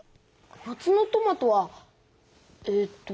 夏のトマトはえっと